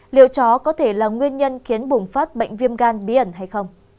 liệu chó có thể là nguyên nhân khiến bùng phát bệnh viêm gan bí ẩn hay không